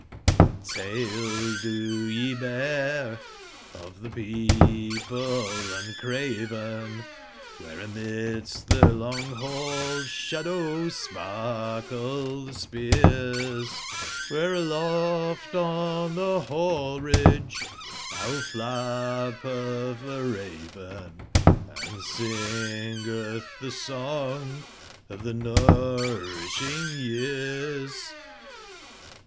RHtr tale do ye bear of the people un craven, ^bere amidst the long hall i^sbadow sparkle tbe spears ; adhere aloft on the hall/ridge now fiappeth the raven, , Hnd singeth tbe song of the nourishing years